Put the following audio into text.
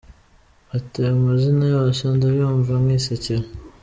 Ati “Ayo mazina yose ndayumva nkisekera.